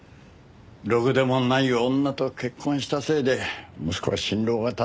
ろくでもない女と結婚したせいで息子は心労がたたったんですよ。